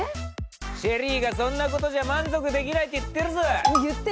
ＳＨＥＬＬＹがそんなことじゃ満足できないって言ってるぞ。